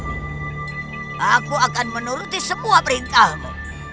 kali ini aku akan menuruti semua peringkahmu